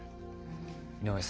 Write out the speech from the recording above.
井上さん